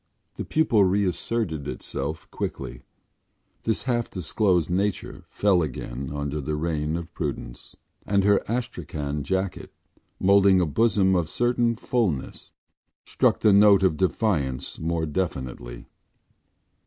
The pupil reasserted itself quickly, this half disclosed nature fell again under the reign of prudence, and her astrakhan jacket, moulding a bosom of a certain fullness, struck the note of defiance more definitely.